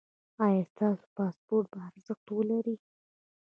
ایا ستاسو پاسپورت به ارزښت ولري؟